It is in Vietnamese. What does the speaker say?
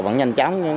vẫn nhanh chóng